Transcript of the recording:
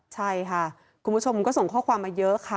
ใช่ค่ะคุณผู้ชมก็ส่งข้อความมาเยอะค่ะ